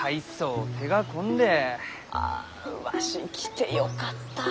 あわし来てよかった。